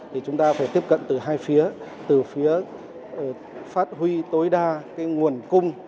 thì chúng ta phải tiếp cận từ hai phía từ phía phát huy tối đa cái nguồn cung